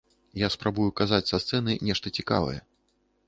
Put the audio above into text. Я спрабую казаць са сцэны нешта цікавае.